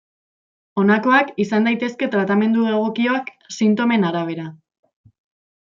Honakoak izan daitezke tratamendu egokiak sintomen arabera.